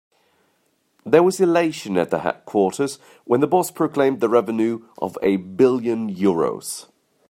There was elation at the headquarters when the boss proclaimed the revenue of a billion euros.